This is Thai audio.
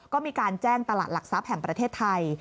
ก็มีการแจ้งตลาดหลักทรัพย์แห่งประเทศไทย